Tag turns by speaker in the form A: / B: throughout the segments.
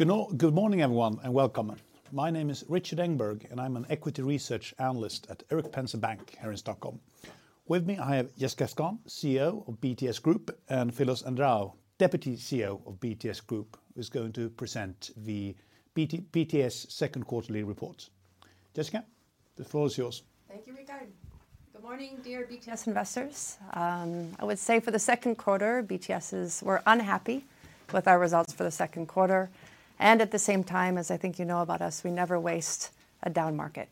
A: Good morning, everyone, and welcome. My name is Rikard Engberg, and I'm an equity research analyst at Erik Penser Bank here in Stockholm. With me, I have Jessica Skon, CEO of BTS Group, and Philios Andreou, Deputy CEO of BTS Group, who's going to present the BTS second quarterly report. Jessica, the floor is yours.
B: Thank you, Rikard. Good morning, dear BTS investors. I would say for the Q2, BTS is-- we're unhappy with our results for the Q2, and at the same time, as I think you know about us, we never waste a down market.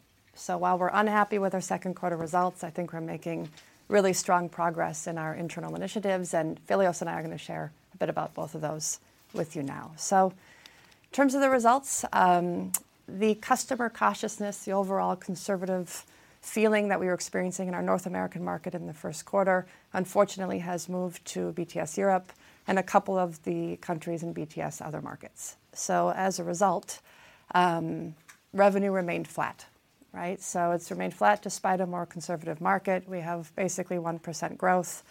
B: While we're unhappy with our Q2 results, I think we're making really strong progress in our internal initiatives, and Philios and I are going to share a bit about both of those with you now. In terms of the results, the customer cautiousness, the overall conservative feeling that we were experiencing in our North American market in the Q1, unfortunately, has moved to BTS Europe and a couple of the countries in BTS Other Markets. As a result, revenue remained flat, right? It's remained flat despite a more conservative market. We have basically 1% growth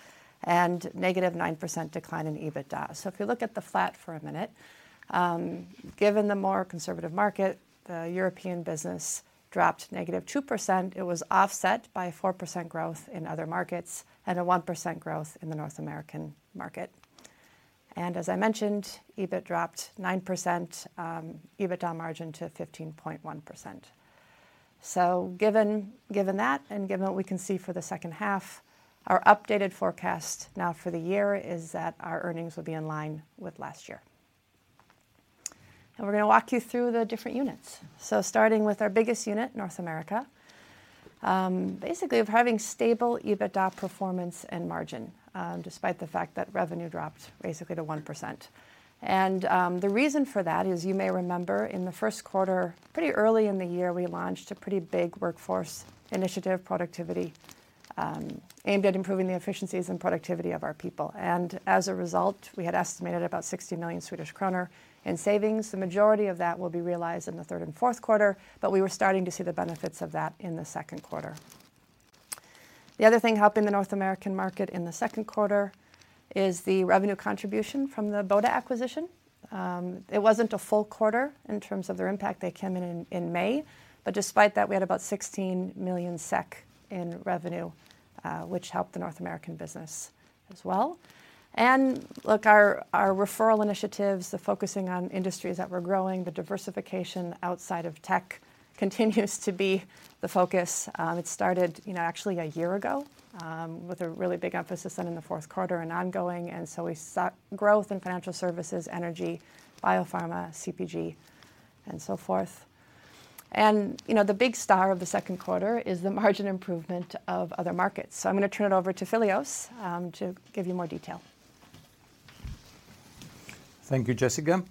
B: and -9% decline in EBITDA. If you look at the flat for a minute, given the more conservative market, the European business dropped -2%. It was offset by 4% growth in other markets and a 1% growth in the North American market. As I mentioned, EBIT dropped 9%, EBITDA margin to 15.1%. Given, given that and given what we can see for the H2, our updated forecast now for the year is that our earnings will be in line with last year. We're going to walk you through the different units. Starting with our biggest unit, North America, basically, we're having stable EBITDA performance and margin, despite the fact that revenue dropped basically to 1%. The reason for that is, you may remember in the Q1, pretty early in the year, we launched a pretty big workforce initiative, productivity, aimed at improving the efficiencies and productivity of our people, and as a result, we had estimated about 60 million Swedish kronor in savings. The majority of that will be realized in the Q3 and Q4, but we were starting to see the benefits of that in the Q2. The other thing helping the North American market in the Q2 is the revenue contribution from The Boda Group acquisition. It wasn't a full quarter in terms of their impact. They came in in May, but despite that, we had about 16 million SEK in revenue, which helped the North American business as well. Look, our, our referral initiatives, the focusing on industries that were growing, the diversification outside of tech continues to be the focus. It started, you know, actually a year ago, with a really big emphasis on in the Q4 and ongoing. We saw growth in financial services, energy, biopharma, CPG, and so forth. You know, the big star of the Q2 is the margin improvement of other markets. I'm going to turn it over to Philios to give you more detail.
C: Thank you, Jessica.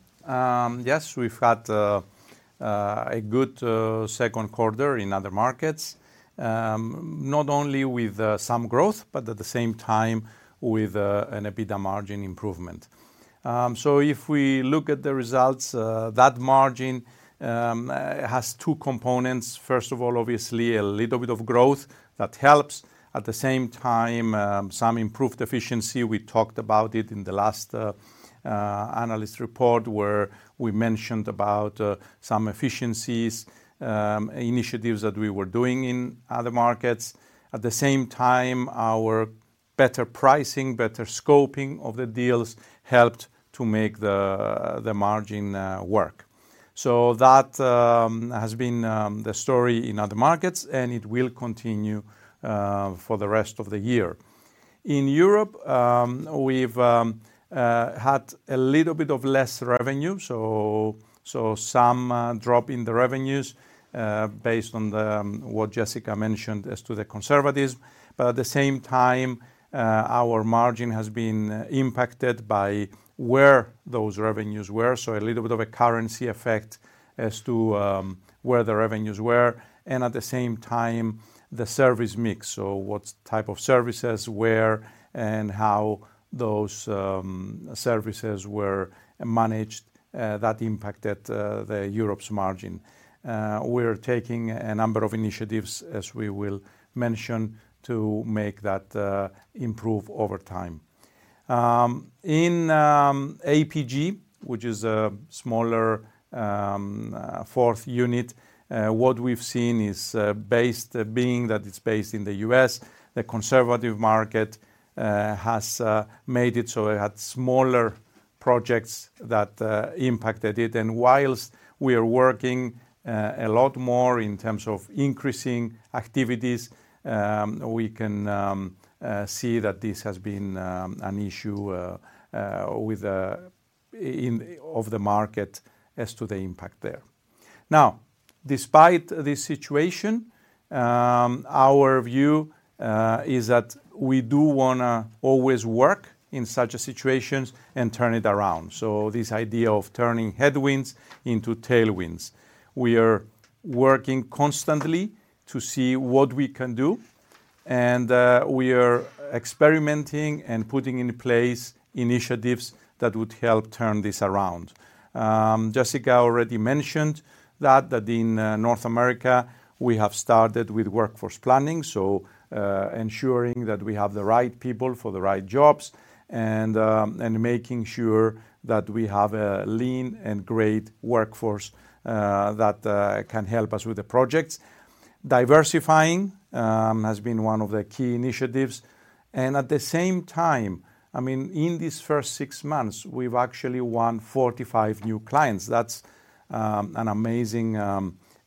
C: Yes, we've had a good second quarter in other markets, not only with some growth, but at the same time with an EBITDA margin improvement. If we look at the results, that margin has two components. First of all, obviously a little bit of growth that helps. At the same time, some improved efficiency. We talked about it in the last analyst report, where we mentioned about some efficiencies initiatives that we were doing in other markets. At the same time, our better pricing, better scoping of the deals helped to make the margin work. That has been the story in other markets, and it will continue for the rest of the year. In Europe, we've had a little bit of less revenue, so, so some drop in the revenues, based on what Jessica mentioned as to the conservatives. At the same time, our margin has been impacted by where those revenues were. A little bit of a currency effect as to where the revenues were, and at the same time, the service mix. What type of services, where, and how those services were managed, that impacted the Europe's margin. We're taking a number of initiatives, as we will mention, to make that improve over time. In APG, which is a smaller, fourth unit, what we've seen is, based -- being that it's based in the US, the conservative market, has made it so it had smaller projects that impacted it. Whilst we are working a lot more in terms of increasing activities, we can see that this has been an issue with in, of the market as to the impact there. Despite this situation, our view is that we do wanna always work in such a situations and turn it around. This idea of turning headwinds into tailwinds. We are working constantly to see what we can do, and we are experimenting and putting in place initiatives that would help turn this around. Jessica already mentioned that, that in North America, we have started with workforce planning, so ensuring that we have the right people for the right jobs and making sure that we have a lean and great workforce that can help us with the projects. Diversifying has been one of the key initiatives, and at the same time, I mean, in these first six months, we've actually won 45 new clients. That's an amazing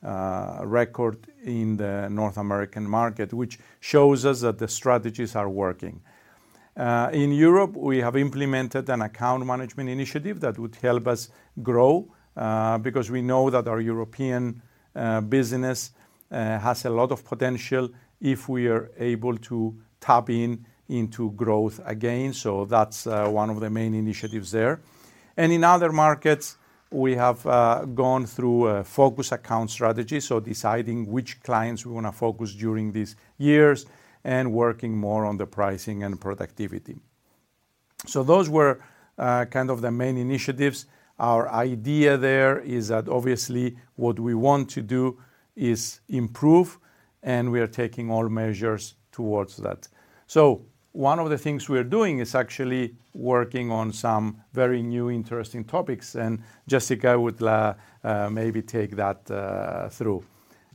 C: record in the North American market, which shows us that the strategies are working. In Europe, we have implemented an account management initiative that would help us grow because we know that our European business has a lot of potential if we are able to tap in into growth again. That's one of the main initiatives there. In other markets, we have gone through a focused account strategy, so deciding which clients we want to focus during these years and working more on the pricing and productivity. Those were kind of the main initiatives. Our idea there is that obviously what we want to do is improve, and we are taking all measures towards that. One of the things we are doing is actually working on some very new, interesting topics, and Jessica would maybe take that through.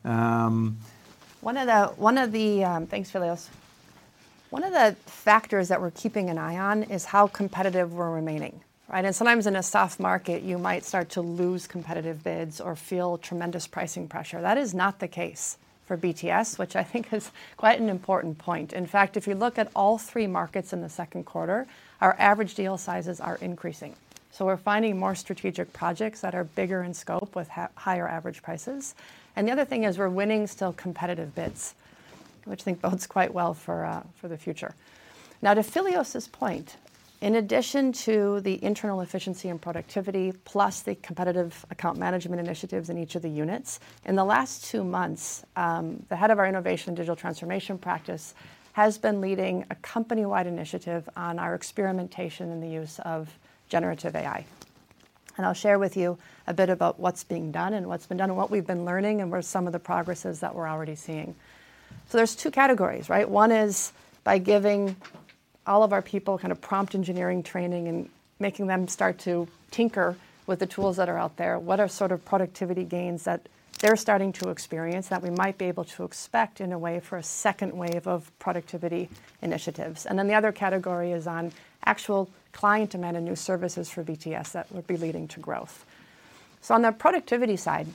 B: One of the, one of the -- Thanks, Philios. One of the factors that we're keeping an eye on is how competitive we're remaining, right? Sometimes in a soft market, you might start to lose competitive bids or feel tremendous pricing pressure. That is not the case for BTS, which I think is quite an important point. In fact, if you look at all three markets in the Q2, our average deal sizes are increasing. We're finding more strategic projects that are bigger in scope with higher average prices. The other thing is we're winning still competitive bids, which I think bodes quite well for the future. Now, to Philios' point, in addition to the internal efficiency and productivity, plus the competitive account management initiatives in each of the units, in the last two months, the head of our innovation and digital transformation practice has been leading a company-wide initiative on our experimentation in the use of generative AI. I'll share with you a bit about what's being done and what's been done and what we've been learning and what are some of the progresses that we're already seeing. There's two categories, right? One is by giving all of our people kind of prompt engineering training and making them start to tinker with the tools that are out there. What are sort of productivity gains that they're starting to experience that we might be able to expect in a way for a second wave of productivity initiatives? The other category is on actual client demand and new services for BTS that would be leading to growth. On the productivity side,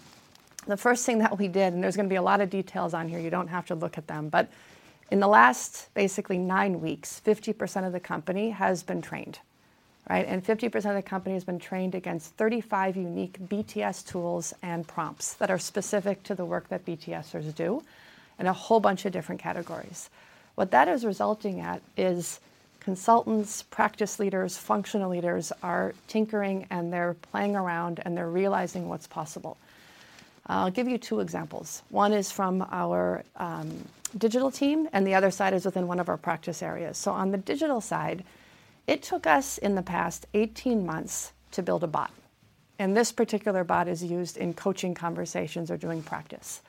B: the first thing that we did, and there's going to be a lot of details on here, you don't have to look at them, but in the last basically nine weeks, 50% of the company has been trained, right? 50% of the company has been trained against 35 unique BTS tools and prompts that are specific to the work that BTSers do in a whole bunch of different categories. What that is resulting at is consultants, practice leaders, functional leaders are tinkering, and they're playing around, and they're realizing what's possible. I'll give you two examples. One is from our digital team, and the other side is within one of our practice areas. On the digital side, it took us in the past 18 months to build a bot, and this particular bot is used in coaching conversations or during practice.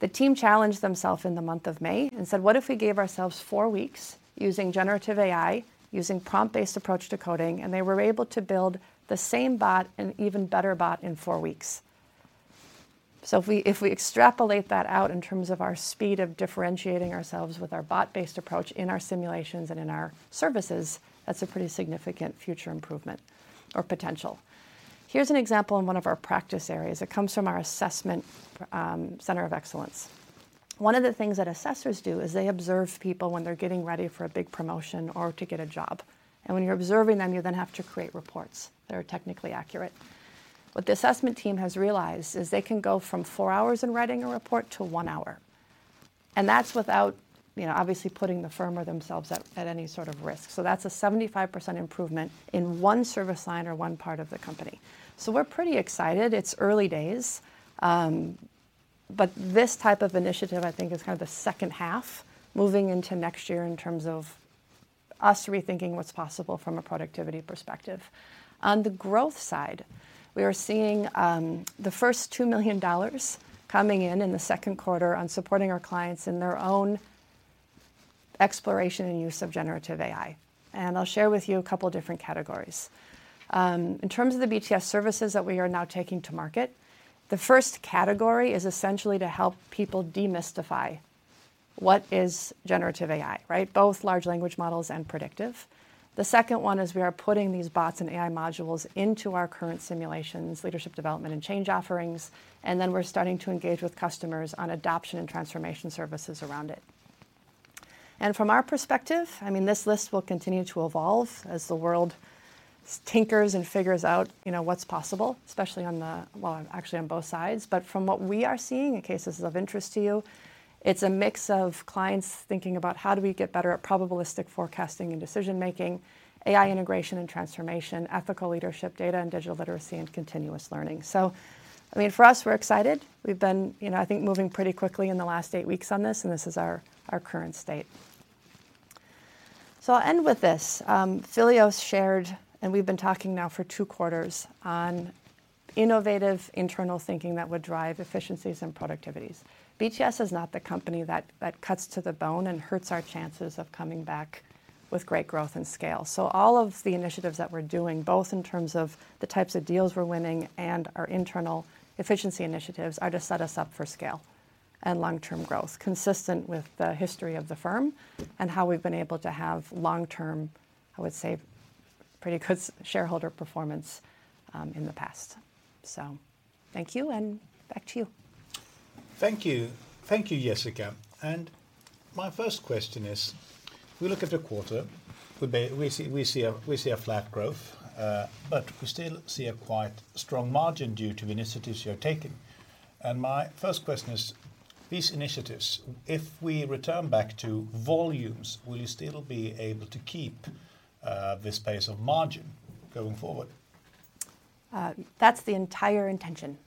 B: The team challenged themselves in the month of May and said: "What if we gave ourselves four weeks using generative AI, using prompt-based approach to coding?" They were able to build the same bot, an even better bot, in four weeks. If we, if we extrapolate that out in terms of our speed of differentiating ourselves with our bot-based approach in our simulations and in our services, that's a pretty significant future improvement or potential. Here's an example in one of our practice areas. It comes from our assessment, center of excellence. One of the things that assessors do is they observe people when they're getting ready for a big promotion or to get a job. When you're observing them, you then have to create reports that are technically accurate. What the assessment team has realized is they can go from four hours in writing a report to one hour, and that's without, you know, obviously putting the firm or themselves at any sort of risk. That's a 75% improvement in one service line or one part of the company. We're pretty excited. It's early days, but this type of initiative, I think, is kind of the second half moving into next year in terms of us rethinking what's possible from a productivity perspective. On the growth side, we are seeing the first $2 million coming in in the Q2 on supporting our clients in their own exploration and use of generative AI. I'll share with you a couple different categories. In terms of the BTS services that we are now taking to market, the first category is essentially to help people demystify what is generative AI, right? Both large language models and predictive. The second one is we are putting these bots and AI modules into our current simulations, leadership development, and change offerings, and then we're starting to engage with customers on adoption and transformation services around it. From our perspective, I mean, this list will continue to evolve as the world tinkers and figures out, you know, what's possible, especially on the... well, actually on both sides. From what we are seeing in cases of interest to you, it's a mix of clients thinking about: How do we get better at probabilistic forecasting and decision-making, AI integration and transformation, ethical leadership, data and digital literacy, and continuous learning? I mean, for us, we're excited. We've been, you know, I think, moving pretty quickly in the last eight weeks on this, and this is our, our current state. I'll end with this. Philios shared, and we've been talking now for two quarters, on innovative internal thinking that would drive efficiencies and productivities. BTS is not the company that, that cuts to the bone and hurts our chances of coming back with great growth and scale. All of the initiatives that we're doing, both in terms of the types of deals we're winning and our internal efficiency initiatives, are to set us up for scale.... and long-term growth, consistent with the history of the firm and how we've been able to have long-term, I would say, pretty good shareholder performance, in the past. Thank you, and back to you.
A: Thank you. Thank you, Jessica. My first question is: we look at the quarter, we see a flat growth, but we still see a quite strong margin due to initiatives you're taking. My first question is, these initiatives, if we return back to volumes, will you still be able to keep this pace of margin going forward?
B: That's the entire intention.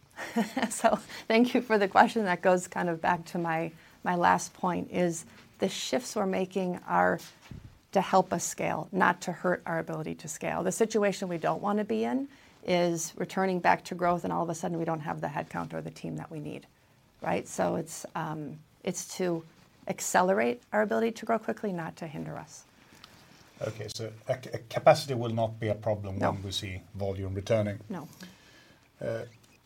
B: Thank you for the question. That goes kind of back to my, my last point, is the shifts we're making are to help us scale, not to hurt our ability to scale. The situation we don't wanna be in is returning back to growth, and all of a sudden, we don't have the headcount or the team that we need, right? It's to accelerate our ability to grow quickly, not to hinder us.
A: Okay, a capacity will not be a problem.
B: No
A: when we see volume returning?
B: No.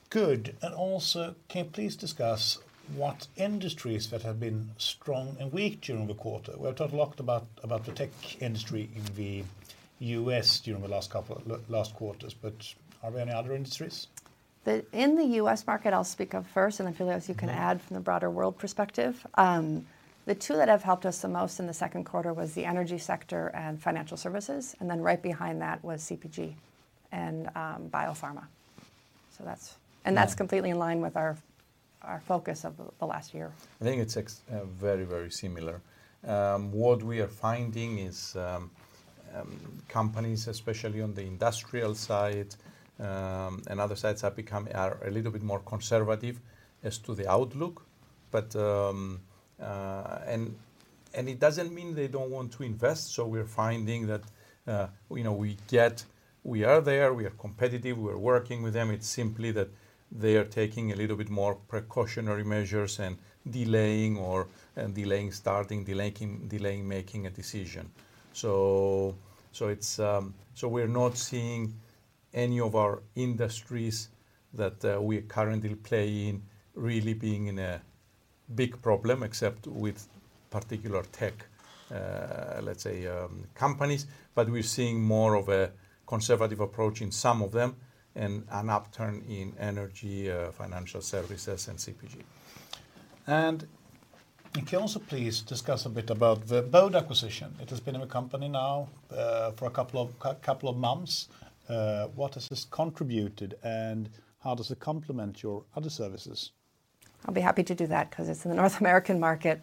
A: Good. Also, can you please discuss what industries that have been strong and weak during the quarter? We've talked a lot about, about the tech industry in the US during the last couple of last quarters, but are there any other industries?
B: In the US market, I'll speak of first, and then, Philios, you can add from the broader world perspective. The two that have helped us the most in the Q2 was the energy sector and financial services, and then right behind that was CPG and biopharma. That's- That's completely in line with our focus of the last year.
C: I think it's ex- very, very similar. What we are finding is companies, especially on the industrial side, and other sides, are becoming a little bit more conservative as to the outlook. It doesn't mean they don't want to invest. We're finding that, you know, we get- we are there, we are competitive, we are working with them. It's simply that they are taking a little bit more precautionary measures and delaying or, and delaying starting, delaying, delaying making a decision. so it's, so we're not seeing any of our industries that we currently play in really being in a big problem, except with particular tech, let's say, companies. We're seeing more of a conservative approach in some of them and an upturn in energy, financial services, and CPG.
A: Can you also please discuss a bit about the Boda acquisition? It has been in the company now for a couple of months. What has this contributed, and how does it complement your other services?
B: I'll be happy to do that 'cause it's in the North American market.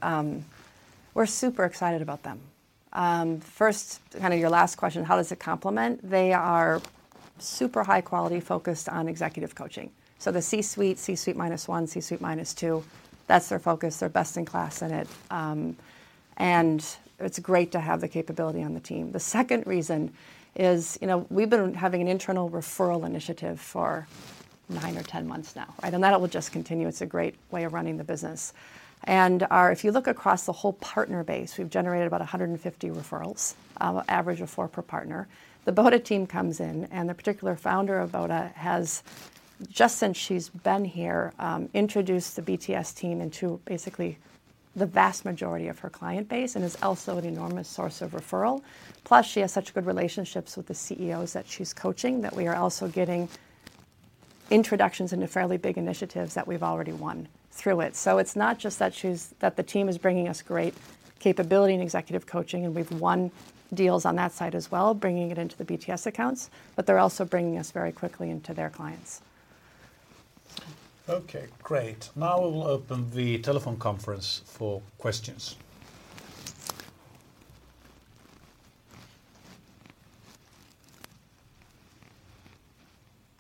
B: We're super excited about them. First, kind of your last question, how does it complement? They are super high quality, focused on executive coaching. So the C-suite, C-suite minus one, C-suite minus two, that's their focus. They're best in class in it. And it's great to have the capability on the team. The second reason is, you know, we've been having an internal referral initiative for 9 or 10 months now, right? That will just continue. It's a great way of running the business. If you look across the whole partner base, we've generated about 150 referrals, average of four per partner. The Boda team comes in, and the particular founder of Boda has, just since she's been here, introduced the BTS team into basically the vast majority of her client base and is also an enormous source of referral. Plus, she has such good relationships with the CEOs that she's coaching, that we are also getting introductions into fairly big initiatives that we've already won through it. It's not just that the team is bringing us great capability and executive coaching, and we've won deals on that side as well, bringing it into the BTS accounts, but they're also bringing us very quickly into their clients.
A: Okay, great. Now we'll open the telephone conference for questions.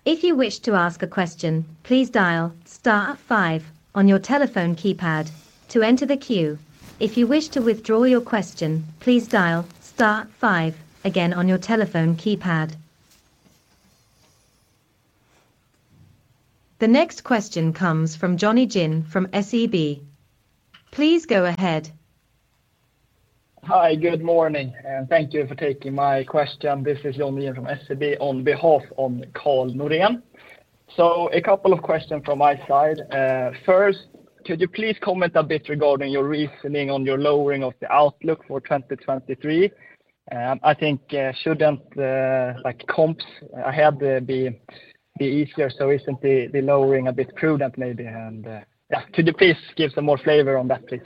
D: If you wish to ask a question, please dial star five on your telephone keypad to enter the queue. If you wish to withdraw your question, please dial star five again on your telephone keypad. The next question comes from Jonny Jin from SEB. Please go ahead.
E: Hi, good morning, and thank you for taking my question. This is Jonny Jin from SEB on behalf of Karl Norén. A couple of questions from my side. First, could you please comment a bit regarding your reasoning on your lowering of the outlook for 2023? I think, shouldn't the, like, comps ahead, be, be easier, so isn't the, the lowering a bit prudent maybe? Yeah, could you please give some more flavor on that, please?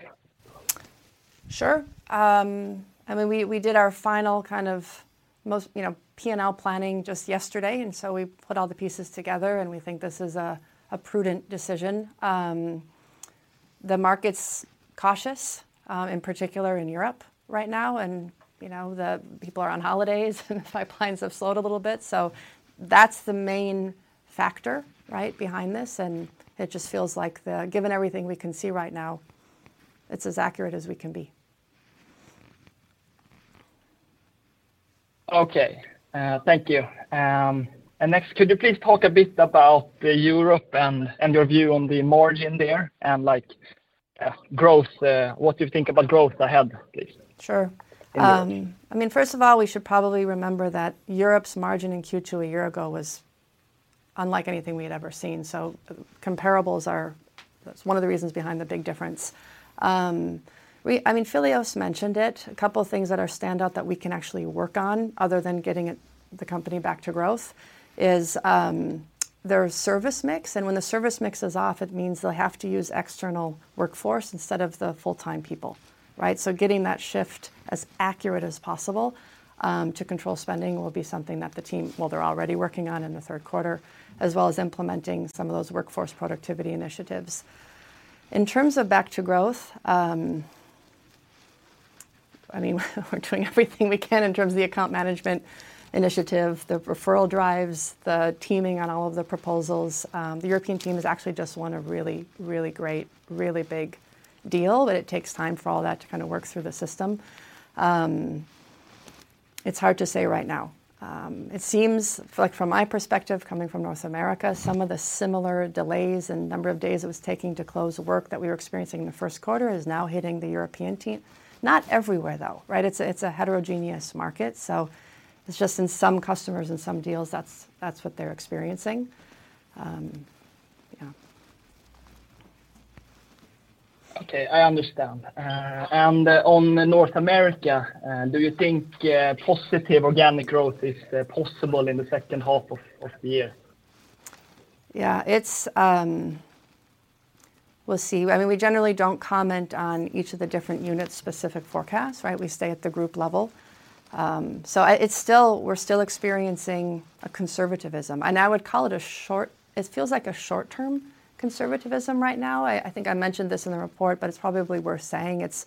B: Sure. I mean, we, we did our final kind of most, you know, P&L planning just yesterday, and so we put all the pieces together, and we think this is a, a prudent decision. The market's cautious, in particular in Europe right now, and you know, the people are on holidays, and the pipelines have slowed a little bit. That's the main factor, right, behind this, and it just feels like the... Given everything we can see right now, it's as accurate as we can be.
E: Okay, thank you. Next, could you please talk a bit about Europe and your view on the margin there and, like, growth, what you think about growth ahead, please?
B: Sure.
E: Thank you.
B: I mean, first of all, we should probably remember that Europe's margin in Q2 a year ago was unlike anything we had ever seen. Comparables are, that's one of the reasons behind the big difference. I mean, Philios mentioned it, a couple of things that are stand out that we can actually work on other than getting it, the company back to growth, is their service mix. When the service mix is off, it means they'll have to use external workforce instead of the full-time people, right? Getting that shift as accurate as possible, to control spending will be something that the team, well, they're already working on in the Q3, as well as implementing some of those workforce productivity initiatives. In terms of back to growth, I mean, we're doing everything we can in terms of the account management initiative, the referral drives, the teaming on all of the proposals. The European team has actually just won a really, really great, really big deal, but it takes time for all that to kinda work through the system. It's hard to say right now. It seems like from my perspective, coming from North America, some of the similar delays and number of days it was taking to close the work that we were experiencing in the Q1 is now hitting the European team. Not everywhere, though, right? It's a, it's a heterogeneous market, so it's just in some customers and some deals, that's, that's what they're experiencing. Yeah.
E: Okay, I understand. On North America, do you think positive organic growth is possible in the H2 of the year?
B: Yeah, it's... We'll see. I mean, we generally don't comment on each of the different unit-specific forecasts, right? We stay at the group level. We're still experiencing a conservativism, and I would call it a short- it feels like a short-term conservativism right now. I, I think I mentioned this in the report, but it's probably worth saying. It's,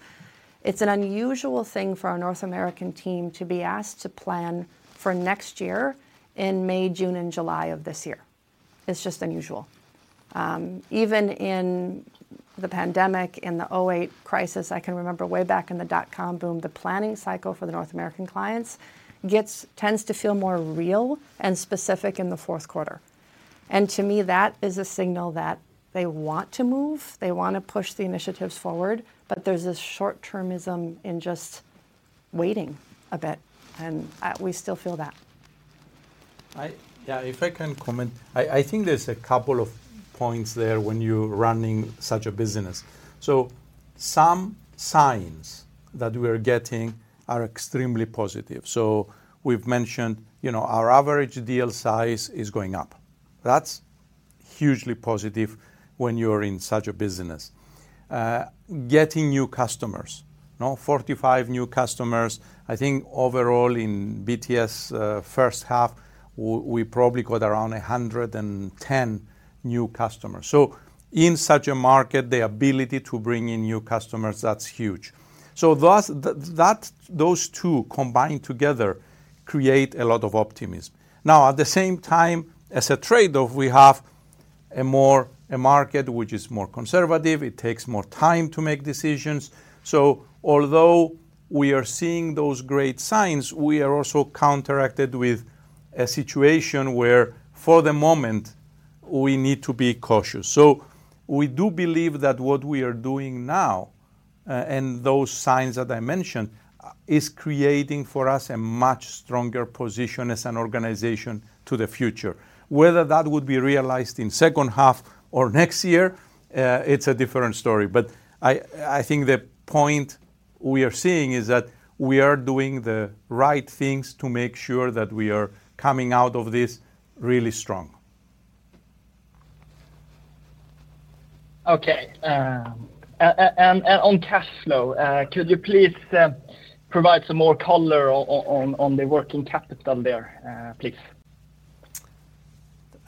B: it's an unusual thing for our North American team to be asked to plan for next year in May, June, and July of this year. It's just unusual. Even in the pandemic, in the 2008 crisis, I can remember way back in the dot-com boom, the planning cycle for the North American clients tends to feel more real and specific in the Q4. To me, that is a signal that they want to move, they wanna push the initiatives forward, but there's this short-termism in just waiting a bit, and, we still feel that.
C: Yeah, if I can comment, I, I think there's a couple of points there when you're running such a business. Some signs that we're getting are extremely positive. We've mentioned, you know, our average deal size is going up. That's hugely positive when you're in such a business. Getting new customers. 45 new customers, I think overall in BTS' first half, we probably got around 110 new customers. In such a market, the ability to bring in new customers, that's huge. Thus, those two combined together create a lot of optimism. At the same time, as a trade-off, we have a more a market which is more conservative. It takes more time to make decisions. Although we are seeing those great signs, we are also counteracted with a situation where, for the moment, we need to be cautious. We do believe that what we are doing now, and those signs that I mentioned, is creating for us a much stronger position as an organization to the future. Whether that would be realized in second half or next year, it's a different story. I, I think the point we are seeing is that we are doing the right things to make sure that we are coming out of this really strong.
E: Okay, and on cash flow, could you please, provide some more color on, on the working capital there, please?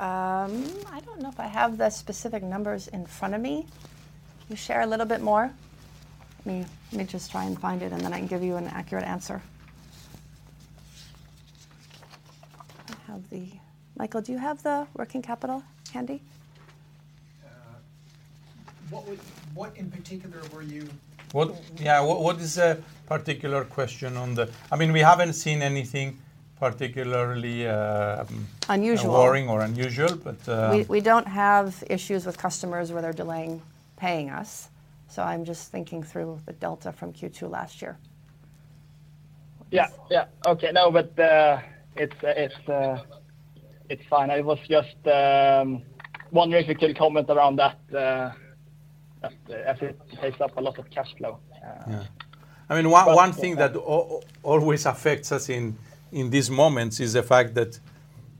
B: I don't know if I have the specific numbers in front of me. Can you share a little bit more? Let me, let me just try and find it, and then I can give you an accurate answer. I have the... Michael, do you have the working capital handy?
E: What what in particular were you --
C: Well, yeah, what, what is a particular question on the... I mean, we haven't seen anything particularly.
B: Unusual
C: worrying or unusual, but.
B: We, we don't have issues with customers where they're delaying paying us, so I'm just thinking through the delta from Q2 last year.
E: Yeah, yeah. Okay. No, it's, it's, it's fine. I was just wondering if you could comment around that, as it takes up a lot of cash flow.
C: Yeah. I mean, one, one thing that always affects us in these moments is the fact that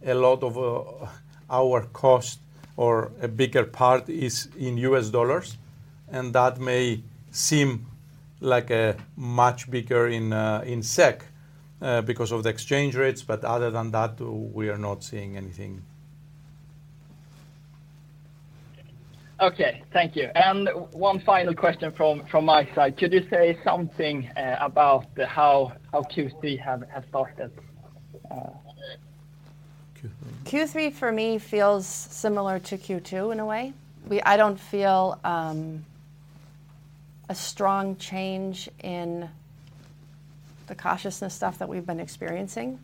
C: a lot of our cost or a bigger part is in US dollars. That may seem like a much bigger in SEK because of the exchange rates. Other than that, we are not seeing anything.
E: Okay, thank you. One final question from, from my side. Could you say something about the how, how Q3 have, has started?
B: Q3 for me feels similar to Q2 in a way. I don't feel a strong change in the cautiousness stuff that we've been experiencing.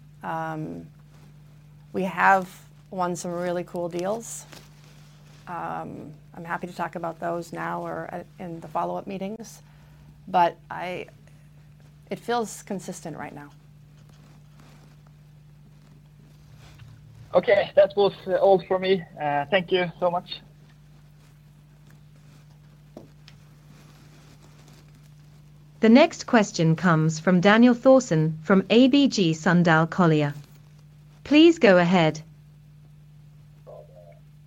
B: We have won some really cool deals.... I'm happy to talk about those now or at, in the follow-up meetings, but it feels consistent right now.
E: Okay. That was all for me. Thank you so much.
D: The next question comes from Daniel Thorsson from ABG Sundal Collier. Please go ahead.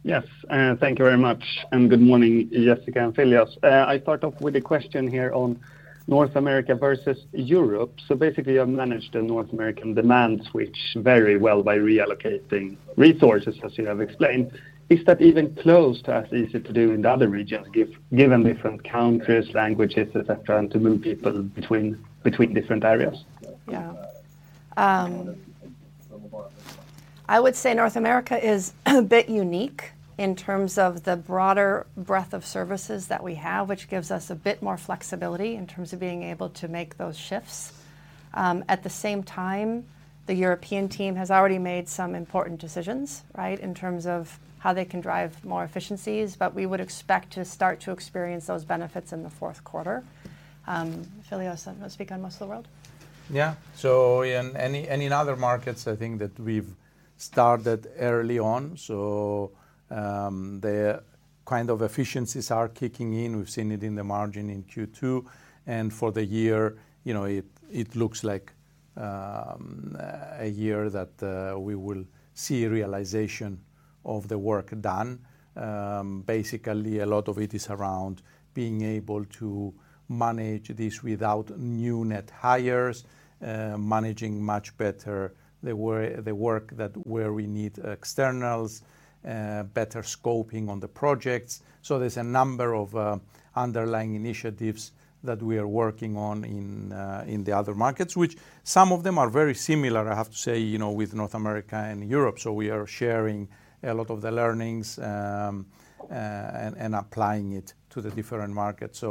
F: Yes, thank you very much, and good morning, Jessica and Philios. I start off with a question here on North America versus Europe. Basically, you've managed the North American demand switch very well by reallocating resources, as you have explained. Is that even close to as easy to do in the other regions, given different countries, languages, et cetera, and to move people between, between different areas?
B: Yeah. I would say North America is a bit unique in terms of the broader breadth of services that we have, which gives us a bit more flexibility in terms of being able to make those shifts. At the same time, the European team has already made some important decisions, right? In terms of how they can drive more efficiencies, but we would expect to start to experience those benefits in the Q4. Philios, you want to speak on most of the world?
C: Yeah. In any, any other markets, I think that we've started early on, so the kind of efficiencies are kicking in. We've seen it in the margin in Q2, and for the year, you know, it, it looks like a year that we will see realization of the work done. Basically, a lot of it is around being able to manage this without new net hires, managing much better the work that where we need externals, better scoping on the projects. There's a number of underlying initiatives that we are working on in the other markets, which some of them are very similar, I have to say, you know, with North America and Europe. We are sharing a lot of the learnings, and applying it to the different markets.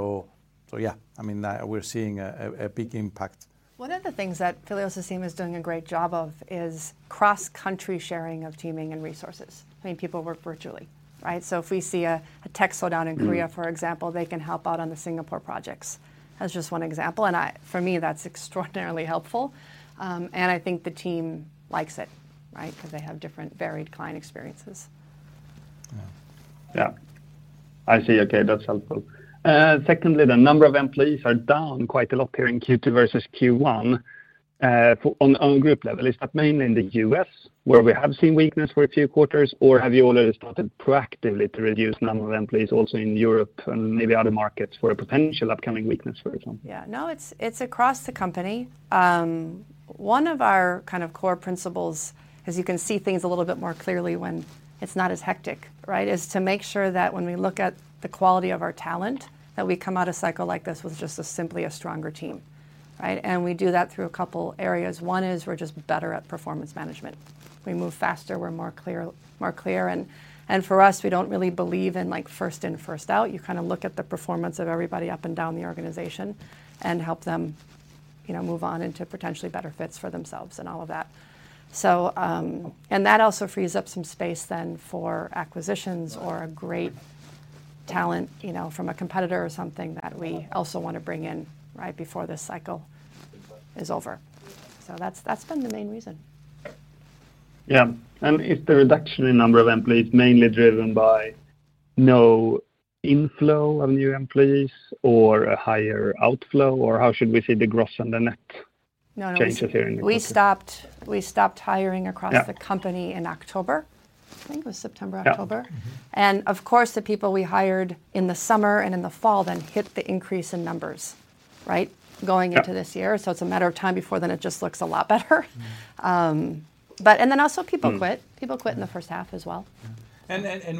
C: Yeah, I mean, that we're seeing a big impact.
B: One of the things that Philios' team is doing a great job of is cross-country sharing of teaming and resources. I mean, people work virtually, right? If we see a, a tech slowdown in Korea, for example, they can help out on the Singapore projects. That's just one example, and for me, that's extraordinarily helpful. And I think the team likes it, right? Because they have different, varied client experiences.
C: Yeah.
F: Yeah. I see. Okay, that's helpful. Secondly, the number of employees are down quite a lot here in Q2 versus Q1, on, on group level. Is that mainly in the US, where we have seen weakness for a few quarters, or have you already started proactively to reduce number of employees also in Europe and maybe other markets for a potential upcoming weakness, for example?
B: Yeah. No, it's, it's across the company. One of our kind of core principles is you can see things a little bit more clearly when it's not as hectic, right? Is to make sure that when we look at the quality of our talent, that we come out of cycle like this with just a simply a stronger team, right? We do that through a couple areas. One is we're just better at performance management. We move faster, we're more clear, more clear, and for us, we don't really believe in, like, first in, first out. You kind of look at the performance of everybody up and down the organization and help them, you know, move on into potentially better fits for themselves and all of that. And that also frees up some space then for acquisitions or a great talent, you know, from a competitor or something that we also want to bring in right before this cycle is over. That's, that's been the main reason.
F: Yeah. Is the reduction in number of employees mainly driven by no inflow of new employees or a higher outflow, or how should we see the gross and the net-
B: No, no.
F: changes here in the company?
B: We stopped, we stopped hiring across-
F: Yeah
B: the company in October. I think it was September, October.
C: Yeah. Mm-hmm.
B: Of course, the people we hired in the summer and in the fall then hit the increase in numbers, right?
C: Yeah.
B: Going into this year. It's a matter of time before then it just looks a lot better. Then also, people quit.
F: Mm.
B: People quit in the H1 as well.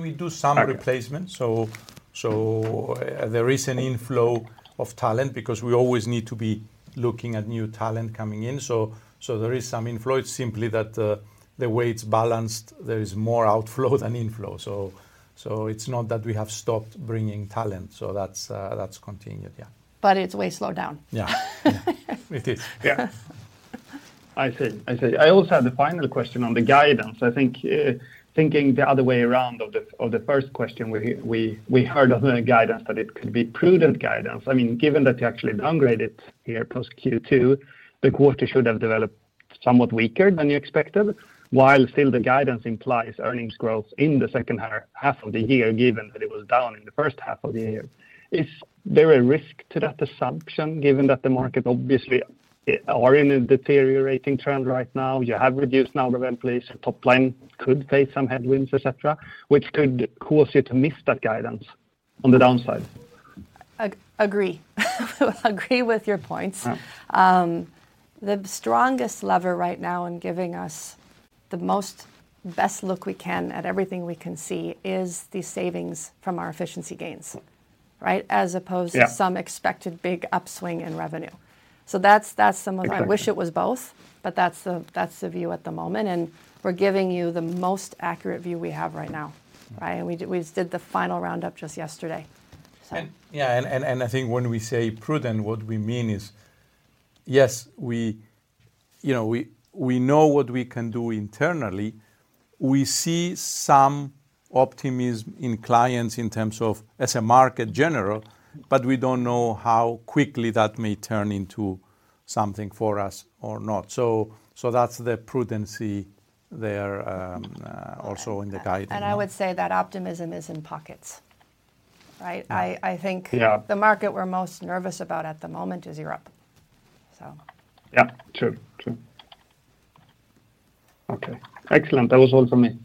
C: We do some replacements, so, so there is an inflow of talent because we always need to be looking at new talent coming in. There is some inflow. It's simply that, the way it's balanced, there is more outflow than inflow. It's not that we have stopped bringing talent. That's, that's continued. Yeah.
B: It's way slowed down.
C: Yeah. Yeah, it is. Yeah.
F: I see. I see. I also had the final question on the guidance. I think, thinking the other way around of the, of the first question, we, we, we heard of the guidance that it could be prudent guidance. I mean, given that you actually downgraded here post Q2, the quarter should have developed somewhat weaker than you expected, while still the guidance implies earnings growth in the H2 of the year, given that it was down in the H1 of the year. Is there a risk to that assumption, given that the market obviously are in a deteriorating trend right now, you have reduced number of employees, top line could face some headwinds, et cetera, which could cause you to miss that guidance on the downside?
B: Agree. Agree with your points.
F: Yeah.
B: The strongest lever right now in giving us the most best look we can at everything we can see is the savings from our efficiency gains, right? As opposed to some expected big upswing in revenue. That's, that's some of-
F: Correct.
B: I wish it was both, but that's the, that's the view at the moment, and we're giving you the most accurate view we have right now, right? We did, we just did the final roundup just yesterday, so.
C: Yeah, and, and, and I think when we say prudent, what we mean is, yes, you know, we, we know what we can do internally. We see some optimism in clients in terms of as a market general, but we don't know how quickly that may turn into something for us or not. That's the prudency there, also in the guidance.
B: I would say that optimism is in pockets, right? I think-
C: Yeah
B: the market we're most nervous about at the moment is Europe.
C: Yeah, true. True.
F: Okay, excellent. That was all for me.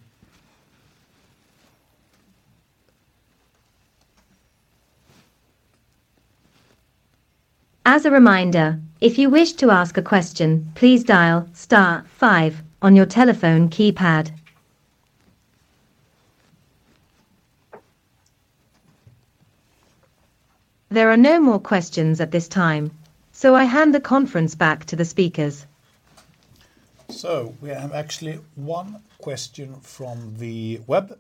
D: As a reminder, if you wish to ask a question, please dial star five on your telephone keypad. There are no more questions at this time. I hand the conference back to the speakers.
A: We have actually one question from the web,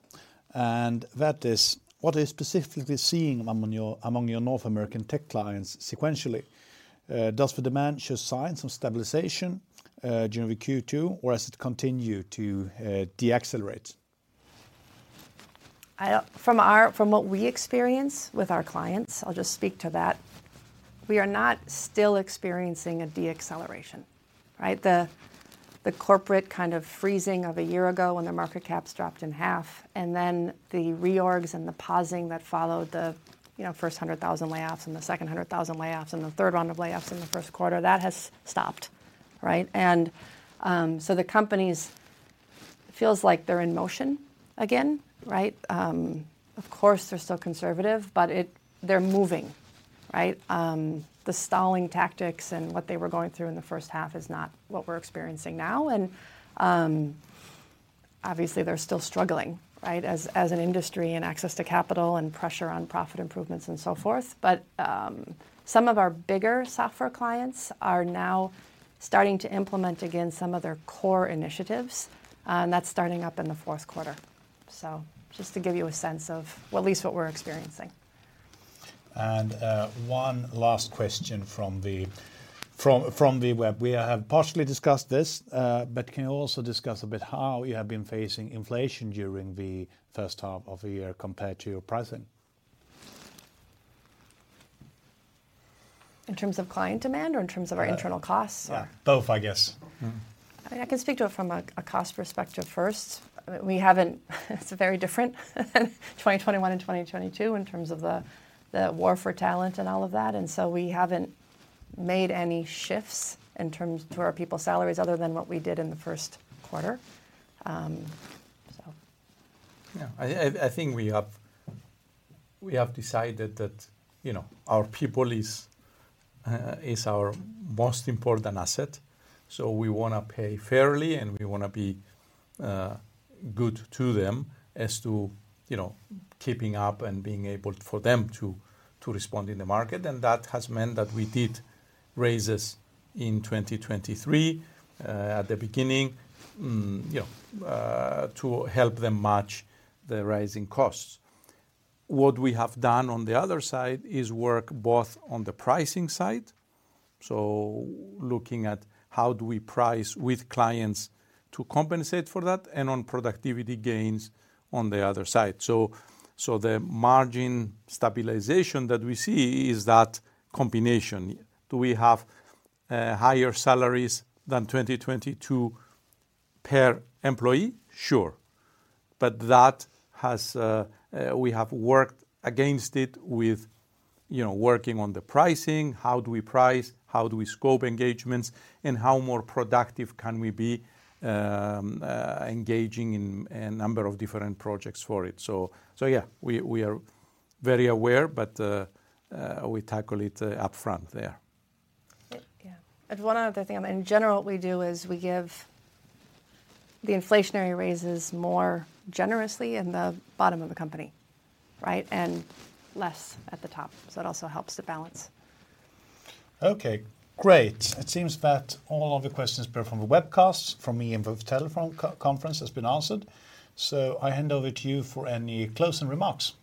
A: and that is: What are you specifically seeing among your North American tech clients sequentially? Does the demand show signs of stabilization during the Q2, or does it continue to deaccelerate?
B: I from what we experience with our clients, I'll just speak to that, we are not still experiencing a deceleration, right? The, the corporate kind of freezing of a year ago when the market caps dropped in half, and then the reorgs and the pausing that followed the, you know, first 100,000 layoffs and the second 100,000 layoffs and the third round of layoffs in the first quarter, that has stopped, right? So the companies, it feels like they're in motion again, right? Of course, they're still conservative, but they're moving, right? The stalling tactics and what they were going through in the first half is not what we're experiencing now, obviously, they're still struggling, right, as, as an industry and access to capital and pressure on profit improvements and so forth. Some of our bigger software clients are now starting to implement again some of their core initiatives, and that's starting up in the Q4. Just to give you a sense of well, at least what we're experiencing.
A: One last question from the, from, from the web. We have partially discussed this, but can you also discuss a bit how you have been facing inflation during the H1 of the year compared to your pricing?
B: In terms of client demand or in terms of our internal costs? Or-
A: Both, I guess. Mm-hmm.
B: I mean, I can speak to it from a, a cost perspective first. We haven't-- It's very different than 2021 and 2022 in terms of the, the war for talent and all of that, and so we haven't made any shifts in terms to our people salaries other than what we did in the Q1. So --
C: Yeah, I, I, I think we have, we have decided that, you know, our people is our most important asset, we wanna pay fairly, we wanna be good to them as to, you know, keeping up and being able for them to, to respond in the market. That has meant that we did raises in 2023 at the beginning, you know, to help them match the rising costs. What we have done on the other side is work both on the pricing side, so looking at how do we price with clients to compensate for that, and on productivity gains on the other side. So the margin stabilization that we see is that combination. Do we have higher salaries than 2022 per employee? Sure. We have worked against it with, you know, working on the pricing, how do we price, how do we scope engagements, and how more productive can we be, engaging in a number of different projects for it. Yeah, we, we are very aware, but we tackle it upfront there.
B: Yeah. One other thing, in general, what we do is we give the inflationary raises more generously in the bottom of the company, right? Less at the top. It also helps to balance.
A: Okay, great. It seems that all of the questions both from the webcast, from me, and both telephone co-conference has been answered, so I hand over to you for any closing remarks.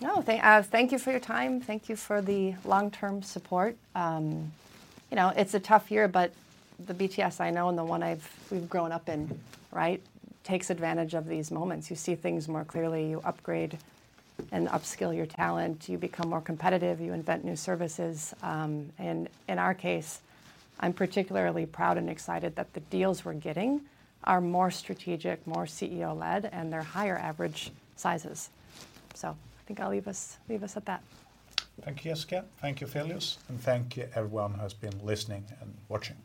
B: No, thank, thank you for your time. Thank you for the long-term support. You know, it's a tough year, the BTS I know and the one I've-- we've grown up in, right, takes advantage of these moments. You see things more clearly, you upgrade and upskill your talent, you become more competitive, you invent new services. In our case, I'm particularly proud and excited that the deals we're getting are more strategic, more CEO-led, and they're higher average sizes. I think I'll leave us, leave us at that.
A: Thank you, Jessica. Thank you, Philios, and thank you everyone who has been listening and watching.